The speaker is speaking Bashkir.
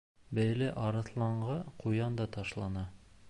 Бәйле арыҫланға ҡуян да ташлана.